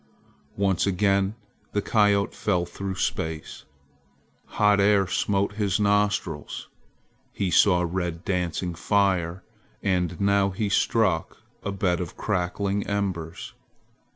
Once again the coyote fell through space. Hot air smote his nostrils. He saw red dancing fire, and now he struck a bed of cracking embers.